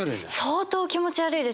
相当気持ち悪いですね。